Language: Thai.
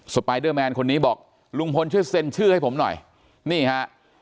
ไปเดอร์แมนคนนี้บอกลุงพลช่วยเซ็นชื่อให้ผมหน่อยนี่ฮะ